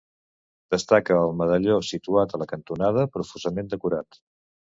Destaca el medalló situat a la cantonada, profusament decorat.